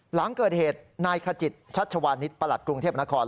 หลังเกิดเหตุนายขจิตชัชวานิสประหลัดกรุงเทพนคร